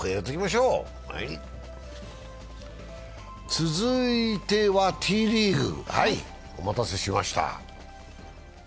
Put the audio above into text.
続いてはＴリーグ、お待たせしました。